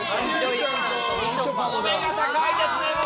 お目が高いですね。